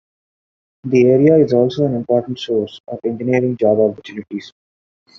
The area is also an important source of engineering job opportunities.